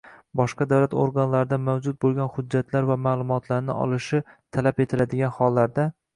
boshqa davlat organlarida mavjud bo‘lgan hujjatlar va ma’lumotlarni olishi talab etiladigan hollarda